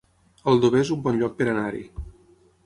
Aldover es un bon lloc per anar-hi